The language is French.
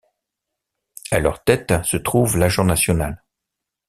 À leur tête se trouve l’agent national.